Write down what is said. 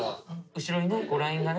後ろにね